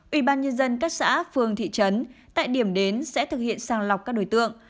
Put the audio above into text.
ủy ban nhân dân các xã phường thị trấn tại điểm đến sẽ thực hiện sang lọc các đối tượng